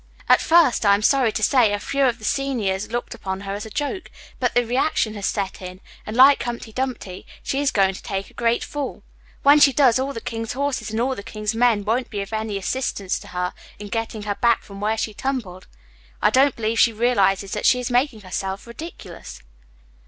At first, I am sorry to say, a few of the seniors looked upon her as a joke, but the reaction has set in, and, like Humpty Dumpty, she is going to take a great fall. When she does, all the king's horses and all the king's men won't be of any assistance to her in getting her back from where she tumbled. I don't believe she realizes that she is making herself ridiculous.